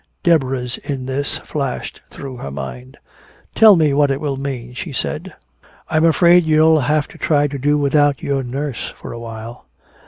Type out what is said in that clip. "Deborah's in this!" flashed through her mind. "Tell me what it will mean," she said. "I'm afraid you'll have to try to do without your nurse for a while."